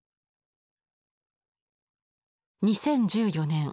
２０１４年